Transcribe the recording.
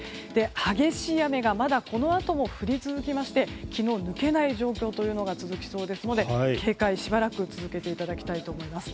激しい雨が、まだこのあとも降り続きまして気の抜けない状況が続きそうですので警戒しばらく続けていただきたいと思います。